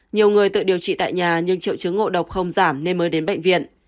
nhiều người tự điều trị tại nhà nhưng triệu chứng ngộ độc không giảm nên mới đến bệnh viện